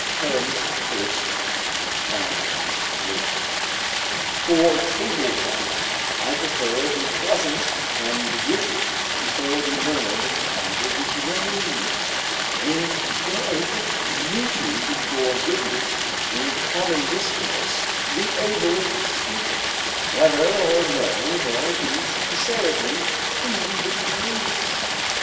"Terence, Heaut., i. I., 28.] For table talk, I prefer the pleasant and witty before the learned and the grave; in bed, beauty before goodness; in common discourse the ablest speaker, whether or no there be sincerity in the case.